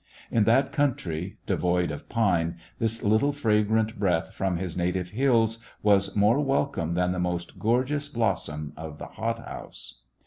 In that country, devoid of pine, this little fragrant breath from his native hills was more welcome than the most gorgeous blos som of the hothouse.